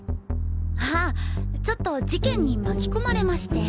ああちょっと事件に巻き込まれまして。